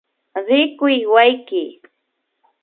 Rikuy wawki